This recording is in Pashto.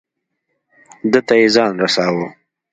ده ته یې ځان رساو.